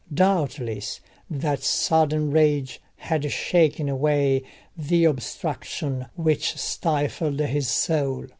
Doubtless that sudden rage had shaken away the obstruction which stifled his soul.